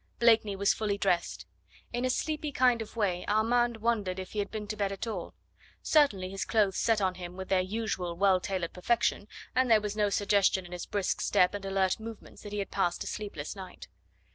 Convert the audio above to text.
Blakeney was fully dressed. In a sleepy kind of way Armand wondered if he had been to bed at all; certainly his clothes set on him with their usual well tailored perfection, and there was no suggestion in his brisk step and alert movements that he had passed a sleepless night.